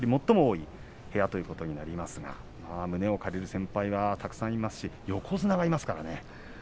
最も多い部屋となりますが胸を借りる先輩がたくさんいますし横綱がいますからね。